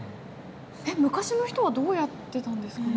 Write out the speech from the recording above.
昔の人はどうやってたんですかね？